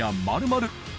まるまる